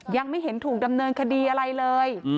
ยังไม่เห็นถูกดำเนินคดีอะไรเลย